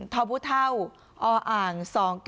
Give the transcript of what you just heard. ทบุเท่าออ่าง๒๙